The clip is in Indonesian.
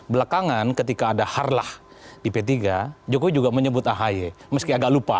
belakangan ketika ada harlah di p tiga jokowi juga menyebut ahy meski agak lupa